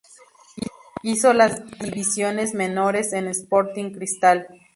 Hizo las divisiones menores en Sporting Cristal.